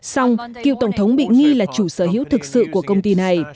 xong cựu tổng thống bị nghi là chủ sở hữu thực sự của công ty này